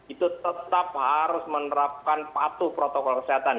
itu tetap harus menerapkan patuh protokol kesehatan